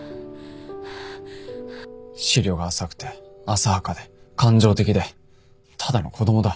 思慮が浅くて浅はかで感情的でただの子供だ